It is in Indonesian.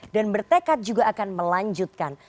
dan bertekad juga akan melanjutkan